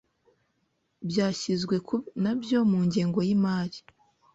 byashyizwe nabyo mu ngengo y’imari.